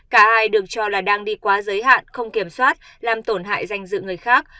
cả ai được cho là đang đi quá giới hạn không kiểm soát làm tổn hại danh dự người khác